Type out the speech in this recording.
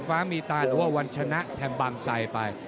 ฟ้ามีตาหรือว่าวันชนะแทงบางไซไป